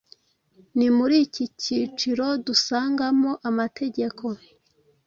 Ni muri iki kiciro dusangamo amategeko,